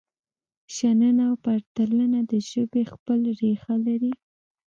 شننه او پرتلنه د ژبې خپل ریښه لري.